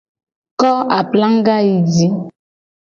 Ko aplaga yi ji :